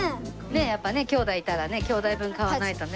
やっぱねきょうだいいたらねきょうだい分買わないとね。